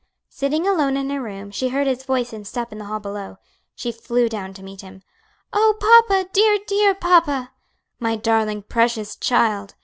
Sitting alone in her room, she heard his voice and step in the hall below. She flew down to meet him. "Oh, papa, dear, dear papa!" "My darling, precious child!"